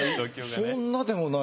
そんなでもない。